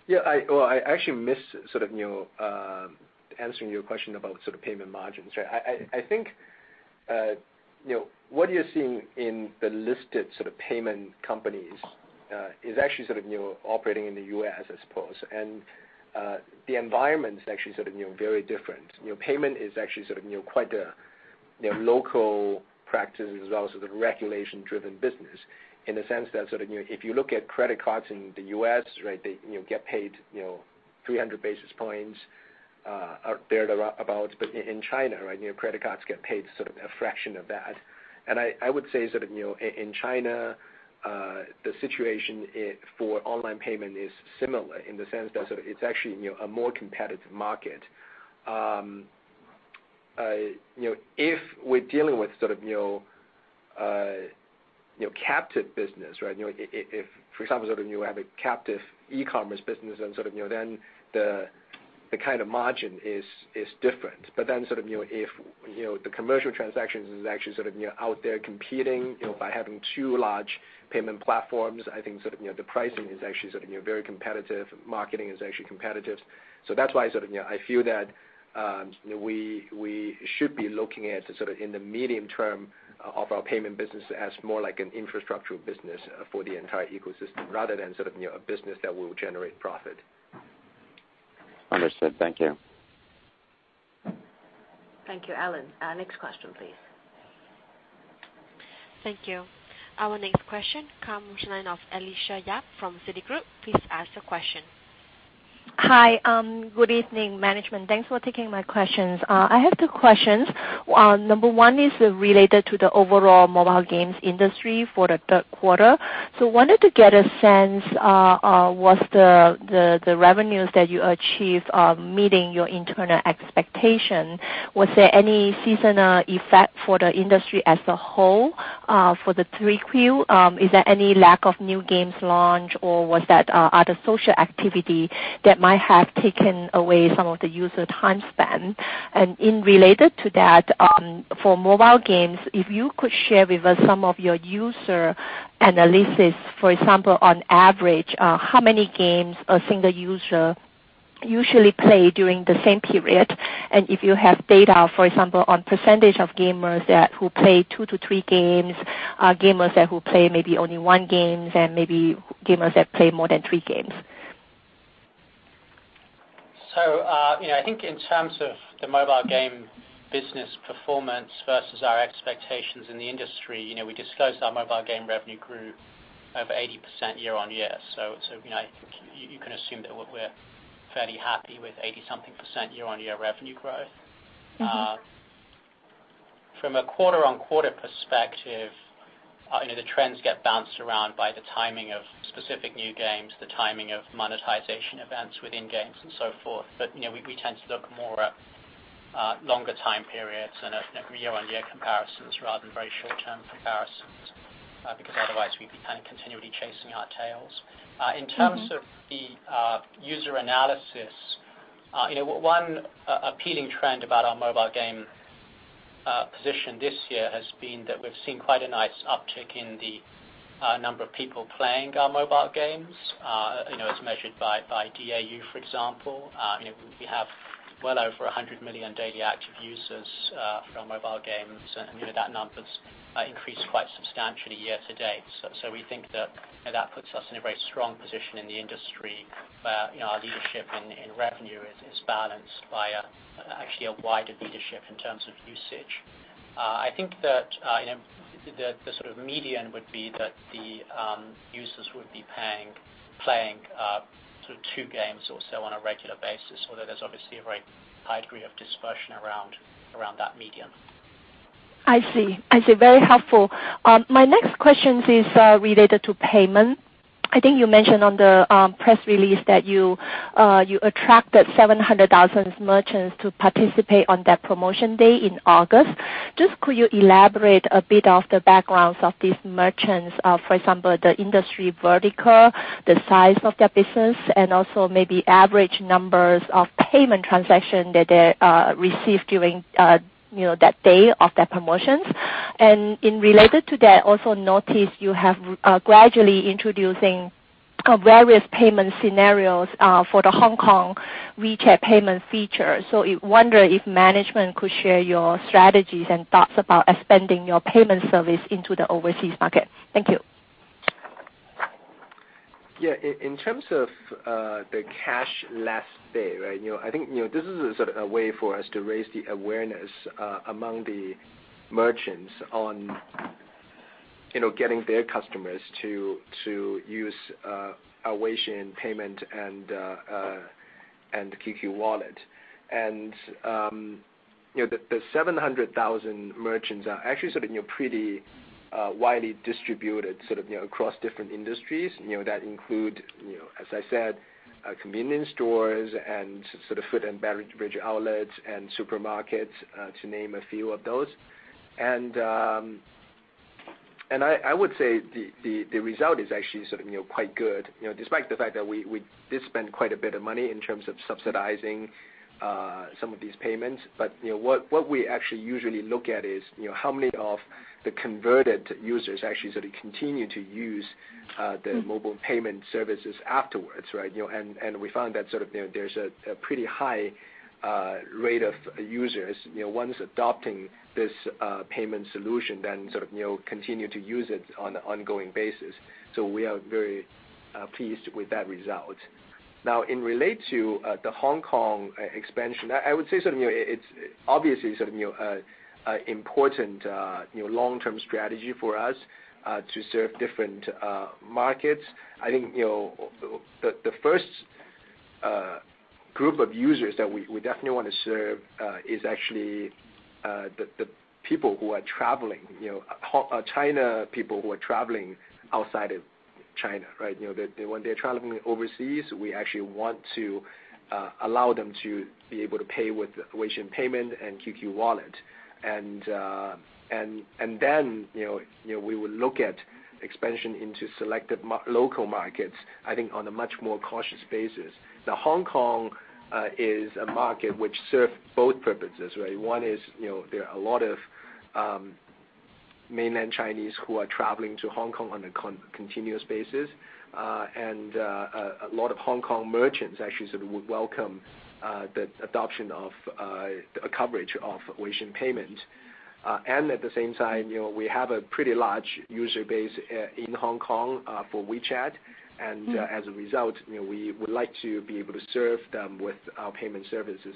Yeah. I actually missed sort of answering your question about payment margins, right? I think what you're seeing in the listed payment companies is actually sort of operating in the U.S., I suppose. The environment is actually very different. Payment is actually quite a local practice and is also the regulation driven business in the sense that if you look at credit cards in the U.S., they get paid 300 basis points, or thereabout, but in China, credit cards get paid a fraction of that. I would say in China, the situation for online payment is similar in the sense that it's actually a more competitive market. If we're dealing with captive business, if for example you have a captive e-commerce business then the kind of margin is different. If the commercial transactions is actually out there competing by having two large payment platforms, I think the pricing is actually very competitive. Marketing is actually competitive. That's why I feel that we should be looking at in the medium term of our payment business as more like an infrastructure business for the entire ecosystem rather than a business that will generate profit. Understood. Thank you. Thank you, Alan. Next question, please. Thank you. Our next question comes line of Alicia Yap from Citigroup. Please ask your question. Hi. Good evening, management. Thanks for taking my questions. I have 2 questions. Number 1 is related to the overall mobile games industry for the third quarter. Wanted to get a sense, was the revenues that you achieved meeting your internal expectation? Was there any seasonal effect for the industry as a whole for the 3Q? Is there any lack of new games launch, or was that other social activity that might have taken away some of the user time spent? In related to that, for mobile games, if you could share with us some of your user analysis, for example, on average, how many games a single user usually play during the same period? If you have data, for example, on percentage of gamers who play 2 to 3 games, gamers who play maybe only one games, and maybe gamers that play more than 3 games. I think in terms of the mobile game business performance versus our expectations in the industry, we disclosed our mobile game revenue grew over 80% year-on-year. I think you can assume that we're fairly happy with 80-something% year-on-year revenue growth. From a quarter-on-quarter perspective, the trends get bounced around by the timing of specific new games, the timing of monetization events within games and so forth. We tend to look more at longer time periods and at year-on-year comparisons rather than very short-term comparisons, because otherwise we'd be kind of continually chasing our tails. In terms of the user analysis, one appealing trend about our mobile game position this year has been that we've seen quite a nice uptick in the number of people playing our mobile games, as measured by DAU, for example. We have well over 100 million daily active users from mobile games. That number's increased quite substantially year-to-date. We think that that puts us in a very strong position in the industry where our leadership in revenue is balanced by actually a wider leadership in terms of usage. I think that the sort of median would be that the users would be playing sort of 2 games or so on a regular basis, although there's obviously a very high degree of dispersion around that median. I see. Very helpful. My next questions is related to payment. I think you mentioned on the press release that you attracted 700,000 merchants to participate on that promotion day in August. Just could you elaborate a bit of the backgrounds of these merchants, for example, the industry vertical, the size of their business, and also maybe average numbers of payment transaction that they received during that day of their promotions? In related to that, also noticed you have gradually introducing On various payment scenarios for the Hong Kong WeChat Pay feature. Wonder if management could share your strategies and thoughts about expanding your payment service into the overseas market. Thank you. Yeah. In terms of the cashless pay, right? I think this is a sort of a way for us to raise the awareness among the merchants on getting their customers to use WeChat Pay and QQ Wallet. The 700,000 merchants are actually sort of pretty widely distributed sort of across different industries that include, as I said, convenience stores and sort of food and beverage outlets and supermarkets, to name a few of those. I would say the result is actually sort of quite good, despite the fact that we did spend quite a bit of money in terms of subsidizing some of these payments. What we actually usually look at is how many of the converted users actually sort of continue to use the mobile payment services afterwards, right? We found that sort of there's a pretty high rate of users once adopting this payment solution, then sort of continue to use it on an ongoing basis. We are very pleased with that result. Now, in relate to the Hong Kong expansion, I would say sort of it's obviously sort of important long-term strategy for us to serve different markets. I think the first group of users that we definitely want to serve is actually the people who are traveling, China people who are traveling outside of China, right? When they're traveling overseas, we actually want to allow them to be able to pay with WeChat Pay and QQ Wallet. Then, we will look at expansion into selected local markets, I think on a much more cautious basis. Now Hong Kong is a market which serves both purposes, right? One is, there are a lot of Mainland Chinese who are traveling to Hong Kong on a continuous basis. A lot of Hong Kong merchants actually sort of would welcome the adoption of a coverage of WeChat Pay. At the same time, we have a pretty large user base in Hong Kong for WeChat. As a result, we would like to be able to serve them with our payment services.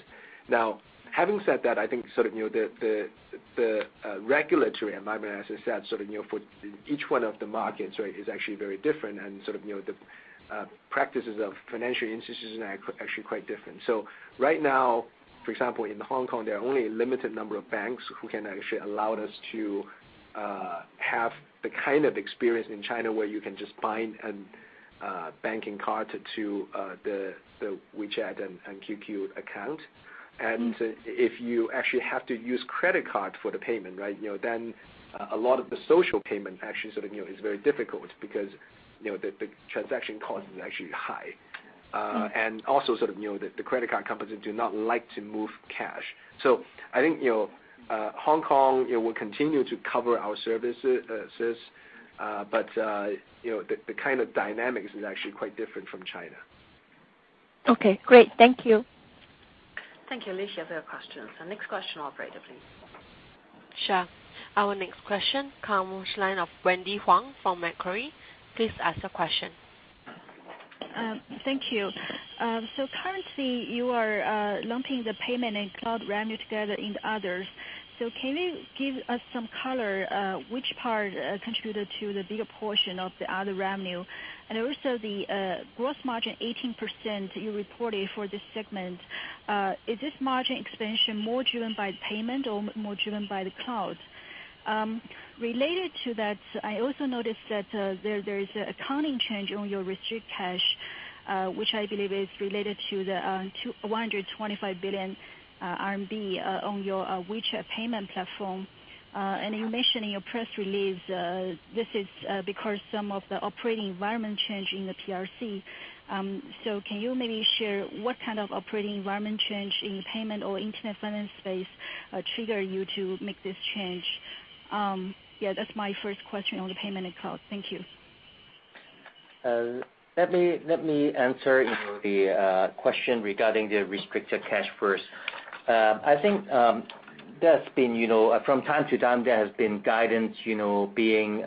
Having said that, I think sort of the regulatory environment, as I said, sort of for each one of the markets, right, is actually very different and sort of the practices of financial institutions are actually quite different. Right now, for example, in Hong Kong, there are only a limited number of banks who can actually allowed us to have the kind of experience in China where you can just bind a banking card to the WeChat and QQ account. If you actually have to use credit card for the payment, right, then a lot of the social payment actually sort of is very difficult because the transaction cost is actually high. Also sort of the credit card companies do not like to move cash. I think Hong Kong will continue to cover our services, but the kind of dynamics is actually quite different from China. Okay, great. Thank you. Thank you, Alicia, for your questions. Our next question, operator, please. Sure. Our next question comes line of Wendy Huang from Macquarie. Please ask a question. Thank you. Currently, you are lumping the payment and cloud revenue together in the others. Can you give us some color which part contributed to the bigger portion of the other revenue? Also the gross margin 18% you reported for this segment, is this margin expansion more driven by the payment or more driven by the cloud? Related to that, I also noticed that there is an accounting change on your restricted cash, which I believe is related to the 125 billion RMB on your WeChat payment platform. You mentioned in your press release, this is because some of the operating environment change in the PRC. Can you maybe share what kind of operating environment change in the payment or internet finance space trigger you to make this change? That's my first question on the payment and cloud. Thank you. Let me answer the question regarding the restricted cash first. I think from time to time, there has been guidance being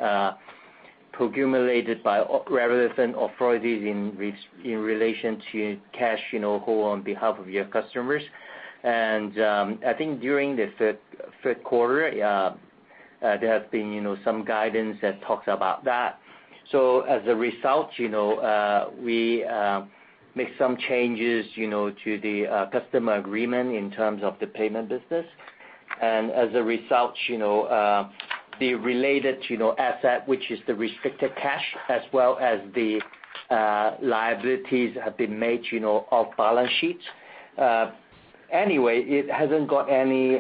promulgated by relevant authorities in relation to cash hold on behalf of your customers. I think during the third quarter, there has been some guidance that talks about that. As a result, we make some changes to the customer agreement in terms of the payment business. As a result, the related asset, which is the restricted cash, as well as the liabilities have been made off balance sheets. Anyway, it hasn't got any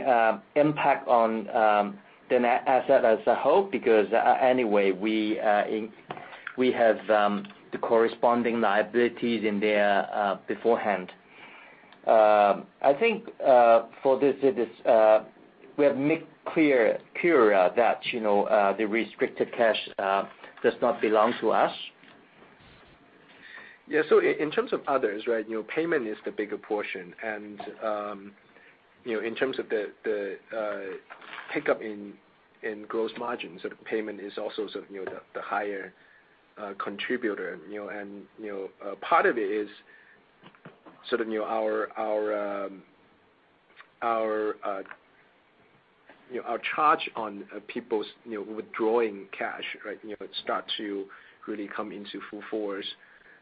impact on the net asset as a whole, because anyway, we have the corresponding liabilities in there beforehand. I think for this, we have made clear that the restricted cash does not belong to us. Yeah. In terms of others, Payment is the bigger portion. In terms of the pickup in gross margins, Payment is also the higher contributor. Part of it is our charge on people's withdrawing cash. It start to really come into full force.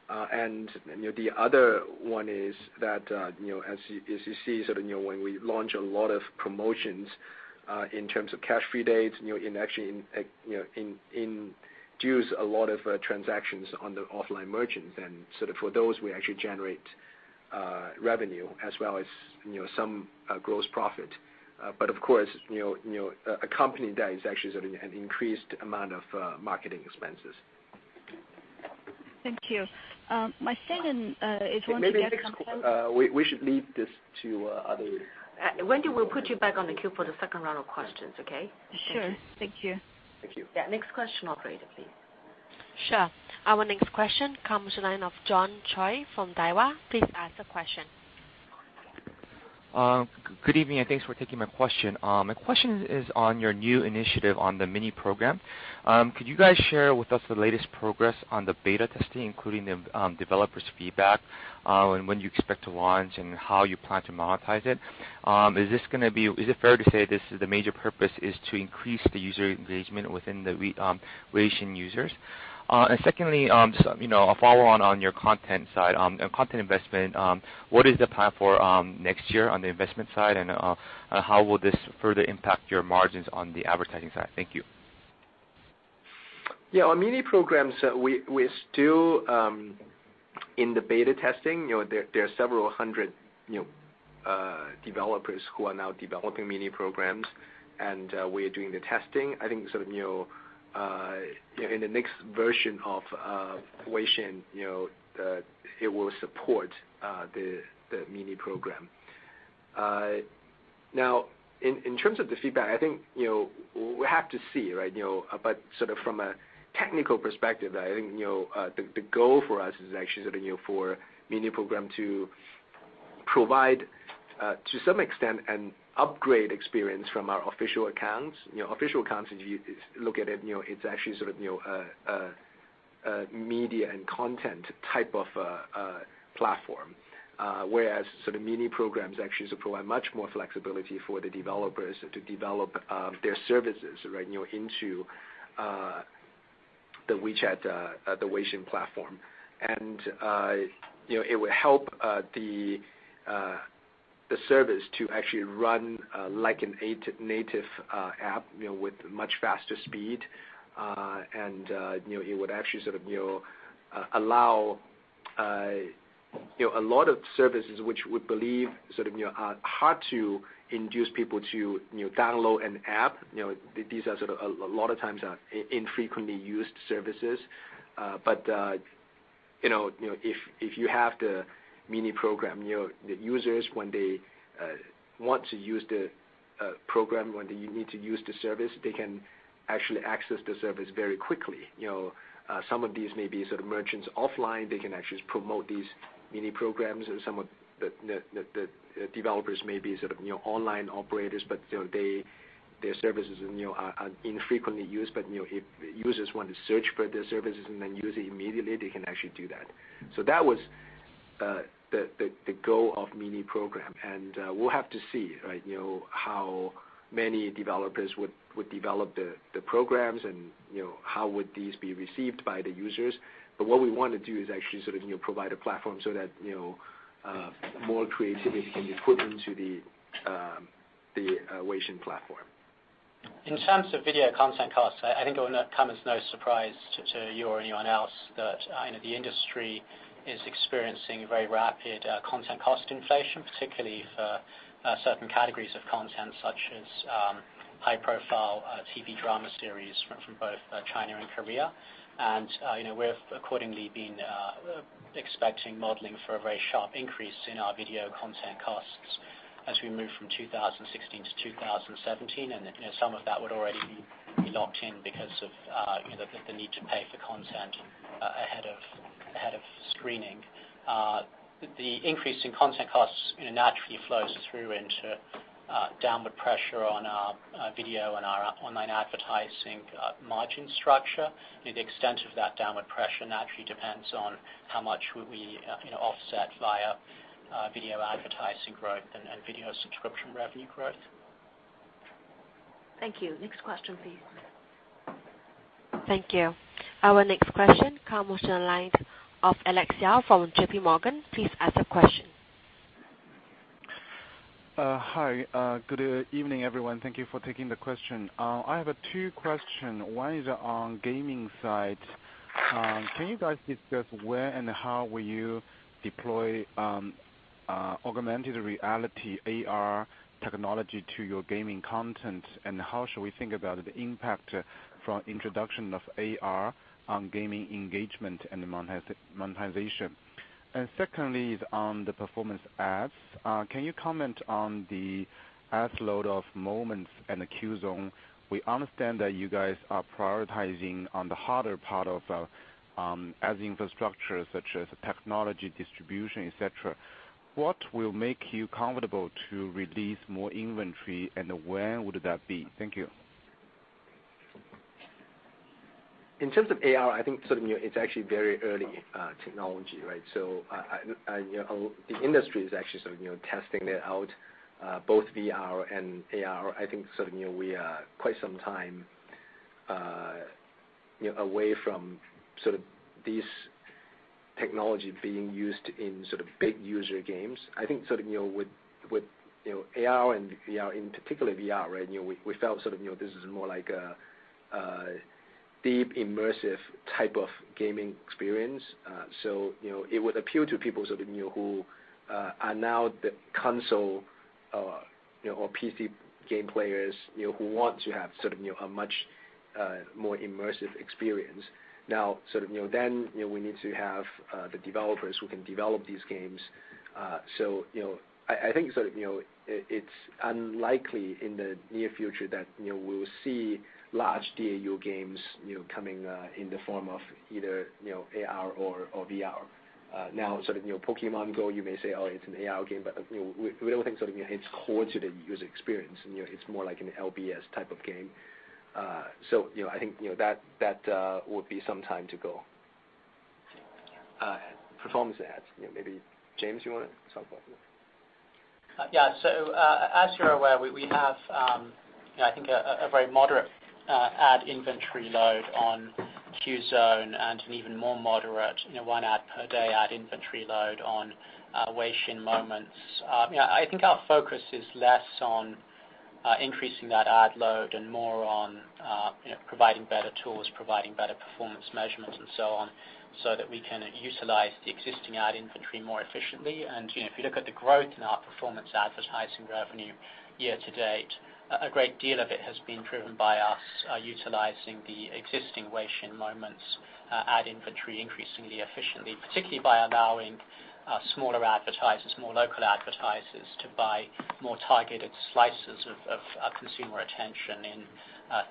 The other one is that, as you see, when we launch a lot of promotions, in terms of Cash-Free Day, in actually induce a lot of transactions on the offline merchants. For those, we actually generate revenue as well as some gross profit. Of course, accompanying that is actually an increased amount of marketing expenses. Thank you. My second is- Maybe next, we should leave this to other- Wendy, we'll put you back on the queue for the second round of questions, okay? Sure. Thank you. Thank you. Yeah, next question, operator, please. Sure. Our next question comes from the line of John Choi from Daiwa. Please ask the question. Good evening, thanks for taking my question. My question is on your new initiative on the Mini Program. Could you guys share with us the latest progress on the beta testing, including the developers' feedback, and when do you expect to launch and how you plan to monetize it? Is it fair to say this is the major purpose is to increase the user engagement within the Weixin users? Secondly, a follow on your content side, content investment. What is the plan for next year on the investment side, and how will this further impact your margins on the advertising side? Thank you. Our Mini Programs, we're still in the beta testing. There are several hundred developers who are now developing Mini Programs, and we are doing the testing. In the next version of Weixin, it will support the Mini Program. In terms of the feedback, we have to see. From a technical perspective, the goal for us is actually, for Mini Program to provide, to some extent, an upgrade experience from our official accounts. Official accounts, if you look at it's actually a media and content type of platform. Whereas Mini Programs actually provide much more flexibility for the developers to develop their services into the Weixin platform. It will help the service to actually run like a native app with much faster speed. It would actually allow a lot of services which we believe are hard to induce people to download an app. These are, a lot of times, infrequently used services. If you have the Mini Program, the users when they want to use the program, when they need to use the service, they can actually access the service very quickly. Some of these may be merchants offline, they can actually promote these Mini Programs, and some of the developers may be online operators, but their services are infrequently used. If users want to search for their services and then use it immediately, they can actually do that. That was the goal of Mini Program. We'll have to see how many developers would develop the programs and how would these be received by the users. What we want to do is actually provide a platform so that more creativity can be put into the Weixin platform. In terms of video content costs, I think it will come as no surprise to you or anyone else that the industry is experiencing very rapid content cost inflation, particularly for certain categories of content, such as high-profile TV drama series from both China and Korea. We've accordingly been expecting modeling for a very sharp increase in our video content costs as we move from 2016 to 2017, and some of that would already be locked in because of the need to pay for content ahead of screening. The increase in content costs naturally flows through into downward pressure on our video and our online advertising margin structure. The extent of that downward pressure naturally depends on how much we offset via video advertising growth and video subscription revenue growth. Thank you. Next question, please. Thank you. Our next question comes from the line of Alex Yao from JP Morgan. Please ask the question. Hi. Good evening, everyone. Thank you for taking the question. I have two question. One is on gaming side. Can you guys discuss where and how will you deploy augmented reality, AR technology to your gaming content, and how should we think about the impact from introduction of AR on gaming engagement and monetization? Secondly is on the performance ads. Can you comment on the ad load of Moments and Qzone? We understand that you guys are prioritizing on the harder part of ad infrastructure such as technology, distribution, et cetera. What will make you comfortable to release more inventory, and when would that be? Thank you. In terms of AR, I think it's actually very early technology, right? The industry is actually sort of testing it out, both VR and AR. I think we are quite some time away from these technology being used in big user games. I think with AR and VR, and particularly VR, we felt this is more like a deep, immersive type of gaming experience. It would appeal to people who are now the console or PC game players who want to have a much more immersive experience. We need to have the developers who can develop these games. I think it's unlikely in the near future that we will see large DAU games coming in the form of either AR or VR. Pokémon GO, you may say, oh, it's an AR game, but we don't think it's core to the user experience. Yeah. It's more like an LBS type of game. I think that would be some time to go. Performance ads, maybe James, you want to talk about that? Yeah. As you're aware, we have, I think, a very moderate ad inventory load on Qzone and an even more moderate one ad per day ad inventory load on Weixin Moments. I think our focus is less on increasing that ad load and more on providing better tools, providing better performance measurements, and so on, so that we can utilize the existing ad inventory more efficiently. If you look at the growth in our performance advertising revenue year-to-date, a great deal of it has been driven by us utilizing the existing Weixin Moments ad inventory increasingly efficiently, particularly by allowing smaller advertisers, more local advertisers to buy more targeted slices of consumer attention in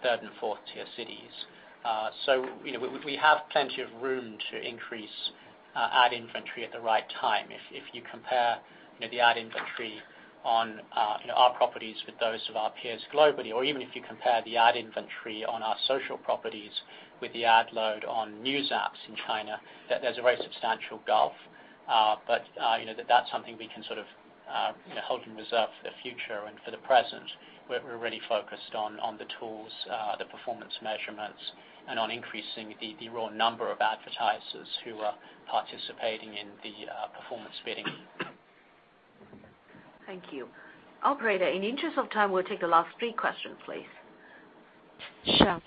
3 and 4 tier cities. We have plenty of room to increase ad inventory at the right time. If you compare the ad inventory on our properties with those of our peers globally, or even if you compare the ad inventory on our social properties with the ad load on news apps in China, there's a very substantial gulf. That's something we can sort of hold in reserve for the future and for the present. We're really focused on the tools, the performance measurements, and on increasing the raw number of advertisers who are participating in the performance bidding. Thank you. Operator, in the interest of time, we'll take the last three questions, please. Sure.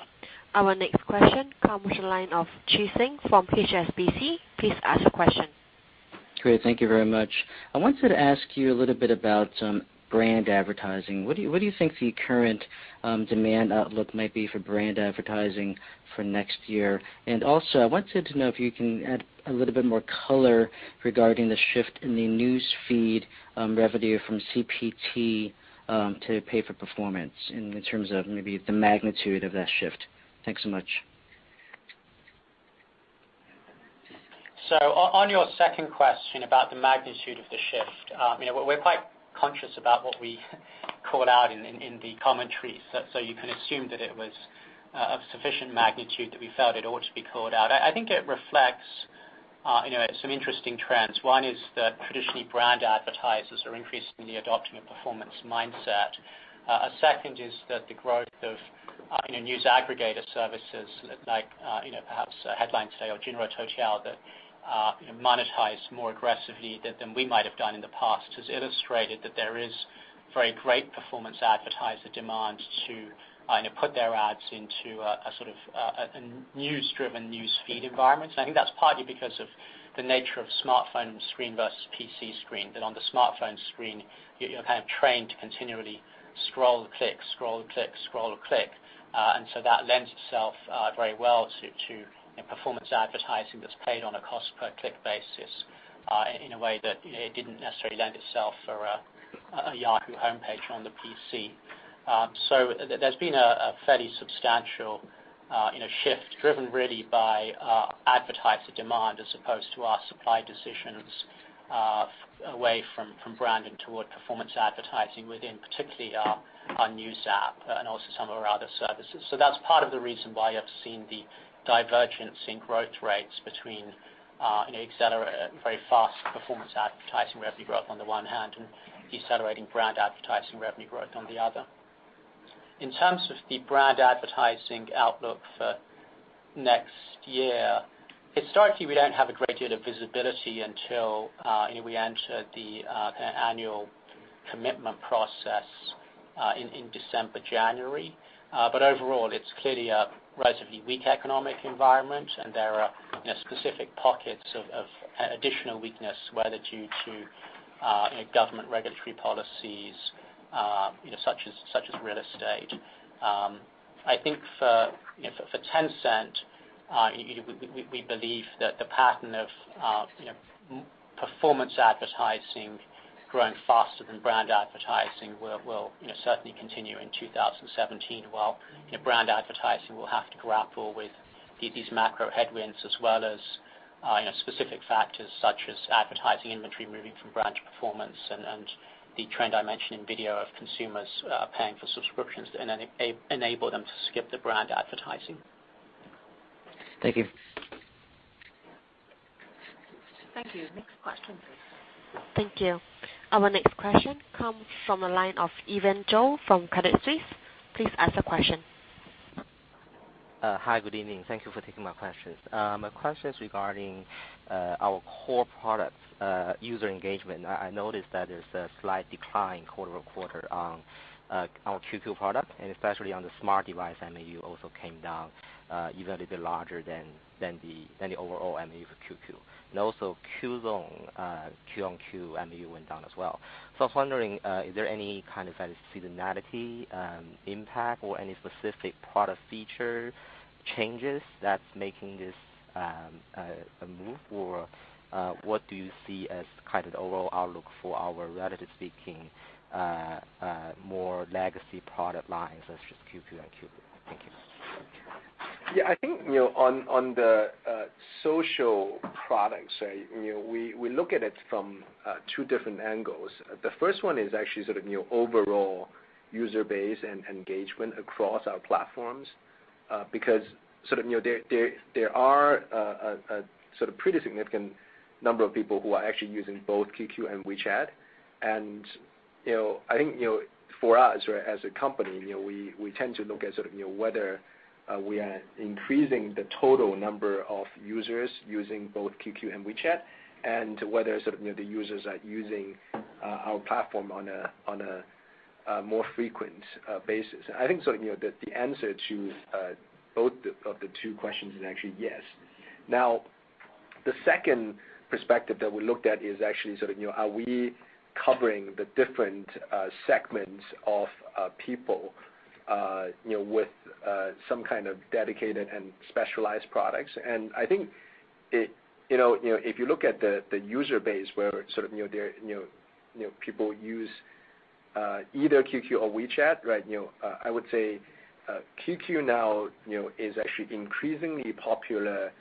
Our next question comes from the line of Chi Tsang from HSBC. Please ask your question. Great. Thank you very much. I wanted to ask you a little bit about brand advertising. What do you think the current demand outlook might be for brand advertising for next year? Also, I wanted to know if you can add a little bit more color regarding the shift in the news feed revenue from CPT to pay for performance in terms of maybe the magnitude of that shift. Thanks so much. On your second question about the magnitude of the shift, we're quite conscious about what we call out in the commentary. You can assume that it was of sufficient magnitude that we felt it ought to be called out. I think it reflects some interesting trends. One is that traditionally brand advertisers are increasingly adopting a performance mindset. A second is that the growth of news aggregator services like, perhaps Headline Today or Jinri Toutiao that monetize more aggressively than we might have done in the past, has illustrated that there is very great performance advertiser demand to put their ads into a sort of a news-driven news feed environment. I think that's partly because of the nature of smartphone screen versus PC screen, that on the smartphone screen, you're kind of trained to continually scroll, click, scroll, click, scroll, click. That lends itself very well to performance advertising that's paid on a cost per click basis, in a way that it didn't necessarily lend itself for a Yahoo homepage on the PC. There's been a fairly substantial shift driven really by advertiser demand as opposed to our supply decisions away from brand and toward performance advertising within particularly our news app and also some of our other services. That's part of the reason why you have seen the divergence in growth rates between very fast performance advertising revenue growth on the one hand, and decelerating brand advertising revenue growth on the other. In terms of the brand advertising outlook for next year, historically, we don't have a great deal of visibility until we enter the annual commitment process in December, January. Overall, it's clearly a relatively weak economic environment, and there are specific pockets of additional weakness, whether due to government regulatory policies such as real estate I think for Tencent, we believe that the pattern of performance advertising growing faster than brand advertising will certainly continue in 2017, while brand advertising will have to grapple with these macro headwinds as well as specific factors, such as advertising inventory moving from brand to performance and the trend I mentioned in video of consumers paying for subscriptions and then enable them to skip the brand advertising. Thank you. Thank you. Next question, please. Thank you. Our next question comes from the line of Evan Zhou from Credit Suisse. Please ask the question. Hi, good evening. Thank you for taking my questions. My question is regarding our core products user engagement. I noticed that there is a slight decline quarter-over-quarter on our QQ product, especially on the smart device MAU also came down even a little bit larger than the overall MAU for QQ. Also Qzone, quarter-on-quarter MAU went down as well. I was wondering, is there any kind of seasonality impact or any specific product feature changes that is making this a move? What do you see as kind of the overall outlook for our, relatively speaking, more legacy product lines such as QQ and Qzone? Thank you. Yeah, I think on the social products, we look at it from two different angles. The first one is actually sort of overall user base and engagement across our platforms, because there are a sort of pretty significant number of people who are actually using both QQ and WeChat. I think for us as a company, we tend to look at sort of whether we are increasing the total number of users using both QQ and WeChat and whether sort of the users are using our platform on a more frequent basis. I think the answer to both of the two questions is actually yes. The second perspective that we looked at is actually sort of are we covering the different segments of people with some kind of dedicated and specialized products. I think if you look at the user base where sort of people use either QQ or WeChat, I would say QQ now is actually increasingly popular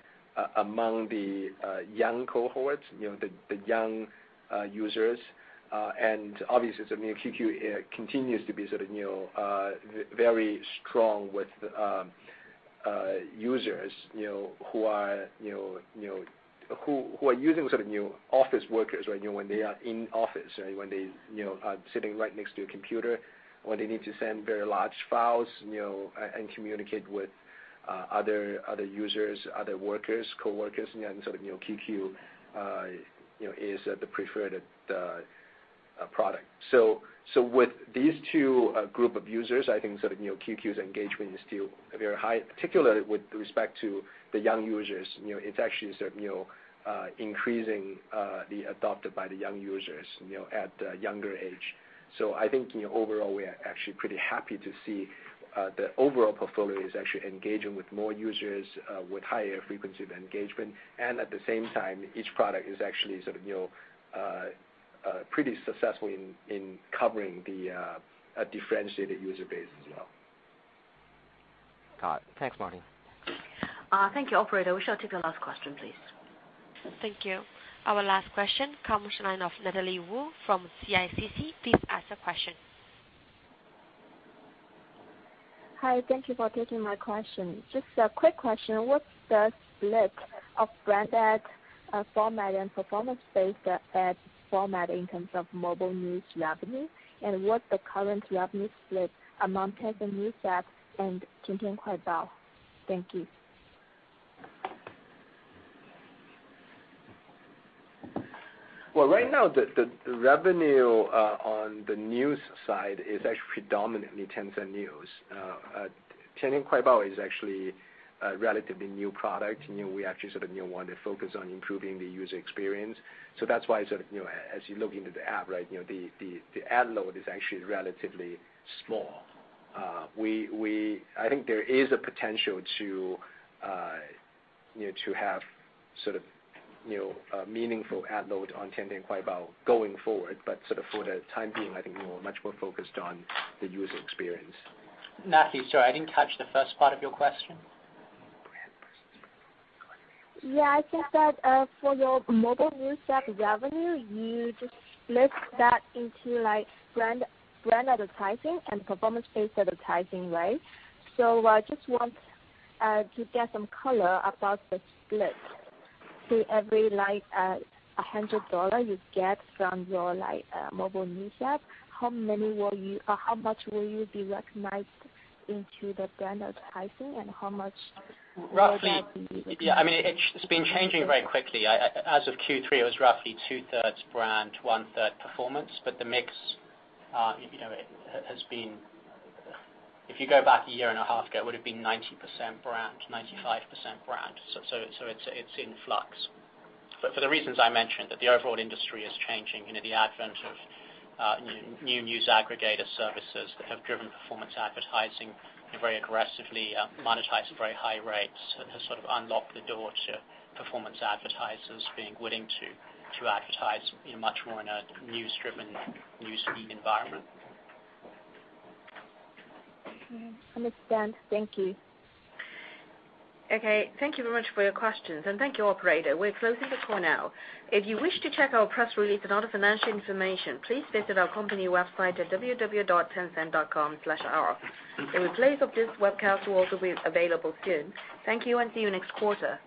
among the young cohorts, the young users. Obviously, QQ continues to be sort of very strong with users who are using sort of office workers when they are in office, when they are sitting right next to a computer, when they need to send very large files, and communicate with other users, other workers, coworkers, and sort of QQ is the preferred product. With these two group of users, I think QQ's engagement is still very high, particularly with respect to the young users. It is actually sort of increasing the adopter by the young users at a younger age. I think overall, we are actually pretty happy to see the overall portfolio is actually engaging with more users with higher frequency of engagement, and at the same time, each product is actually sort of pretty successful in covering the differentiated user base as well. Got it. Thanks, Martin. Thank you. Operator, we shall take our last question, please. Thank you. Our last question comes from the line of Natalie Wu from CICC. Please ask the question. Hi, thank you for taking my question. Just a quick question. What's the split of brand ad format and performance-based ad format in terms of mobile news revenue? What's the current revenue split among Tencent News app and Tian Tian Kuai Bao? Thank you. Well, right now, the revenue on the news side is actually predominantly Tencent News. Tian Tian Kuai Bao is actually a relatively new product. We actually sort of want to focus on improving the user experience. That's why as you look into the app, the ad load is actually relatively small. I think there is a potential to have sort of a meaningful ad load on Tian Tian Kuai Bao going forward, but sort of for the time being, I think we're much more focused on the user experience. Natalie, sorry, I didn't catch the first part of your question. Yeah, I think that for your mobile news app revenue, you just split that into brand advertising and performance-based advertising, right? I just want to get some color about the split. Every RMB 100 you get from your mobile news app, how much will you recognize into the brand advertising and how much- Roughly, it's been changing very quickly. As of Q3, it was roughly two-thirds brand, one-third performance. If you go back a year and a half ago, it would have been 90% brand, 95% brand. It's in flux. For the reasons I mentioned, that the overall industry is changing, the advent of new news aggregator services that have driven performance advertising very aggressively, monetized at very high rates, has sort of unlocked the door to performance advertisers being willing to advertise much more in a news-driven, news feed environment. Understand. Thank you. Thank you very much for your questions, and thank you, operator. We're closing the call now. If you wish to check our press release and other financial information, please visit our company website at www.tencent.com/ir. A replay of this webcast will also be available soon. Thank you and see you next quarter.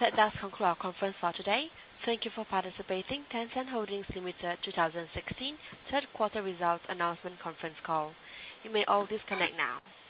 That does conclude our conference call today. Thank you for participating. Tencent Holdings Limited 2016 third quarter results announcement conference call. You may all disconnect now.